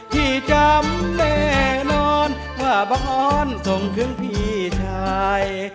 พี่จำแน่นอนว่าบางอ้อนส่งเครื่องพี่ชาย